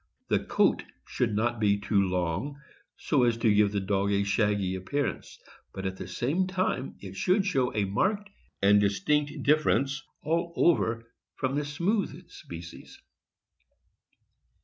The coat should not be too long, so as to give the dog a shaggy appearance; but at the same time it should show a marked and distinct difference all over from the smooth species.